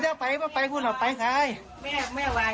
เจ้าไปก็ไปคู่หลับไปค่ะท้ายแม่แม่ว่าย